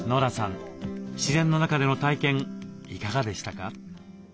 自然の中での体験いかがでしたか？